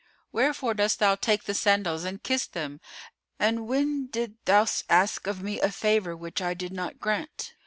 Wherefore dost thou take the sandals and kiss them and when didst thou ask of me a favour which I did not grant?"